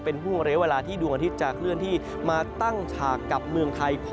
เป็นห่วงระยะเวลาที่ดวงอาทิตย์จะเคลื่อนที่มาตั้งฉากกับเมืองไทย